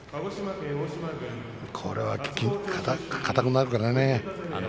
これは硬くなるからね。